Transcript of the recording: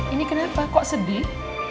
ini kenapa kok sedih